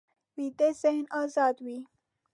ویده ذهن ازاد وي